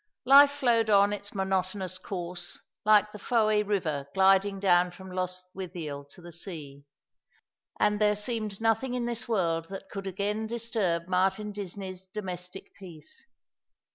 Life flowed on its monotonous course, like the Fowcy river gliding down from Lostwithicl to the sea; and there seemed nothing in this world that could again disturb Martin Disney's domestic peace.